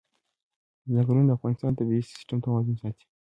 ځنګلونه د افغانستان د طبعي سیسټم توازن ساتي.